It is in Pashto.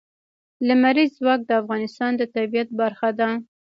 لمریز ځواک د افغانستان د طبیعت برخه ده.